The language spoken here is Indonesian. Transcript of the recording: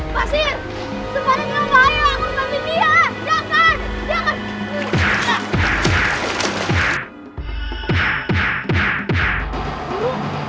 basir sebaliknya bahaya aku bagi dia jangan